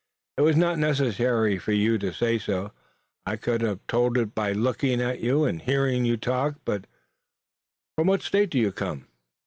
"It was not necessary for you to say so. I could have told it by looking at you and hearing you talk. But from what state do you come?"